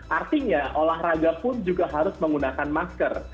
artinya olahraga pun juga harus menggunakan masker